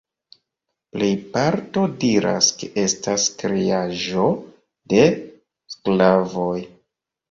Plejparto diras ke estas kreaĵo de sklavoj.